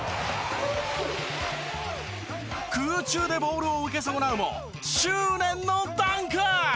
空中でボールを受け損なうも執念のダンク！